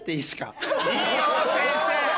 いいよ先生！